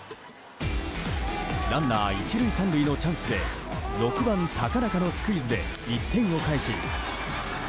ランナー１塁３塁のチャンスで６番、高中のスクイズで１点を返し